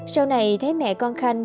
sau này thấy mẹ con khanh